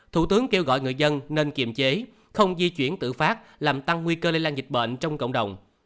thủ tướng kêu gọi người dân nên kiềm chế không di chuyển tự phát làm tăng nguy cơ lây lan dịch bệnh trong cộng đồng